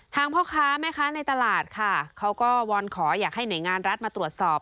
พ่อค้าแม่ค้าในตลาดค่ะเขาก็วอนขออยากให้หน่วยงานรัฐมาตรวจสอบ